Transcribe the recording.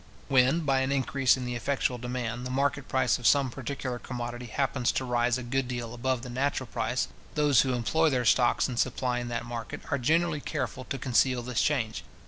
When, by an increase in the effectual demand, the market price of some particular commodity happens to rise a good deal above the natural price, those who employ their stocks in supplying that market, are generally careful to conceal this change.